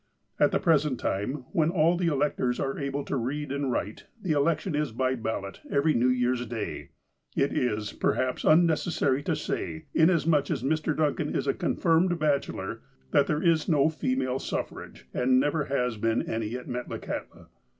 At the present time, when all the electors are able to read and write, the election is by ballot, every New Year's Day. It is, perhaps, unnecessary to say, inasmuch as Mr. Duncan is a confirmed bachelor, that there is no female suffrage, and never has been any at Metlakahtla.